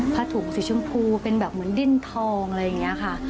ถุงสีชมพูเป็นแบบเหมือนดิ้นทองอะไรอย่างนี้ค่ะ